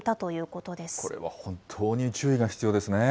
これは本当に注意が必要ですね。